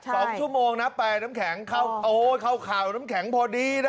สองชั่วโมงนะแปลน้ำแข็งเข้าโอ้เข้าข่าวน้ำแข็งพอดีนะ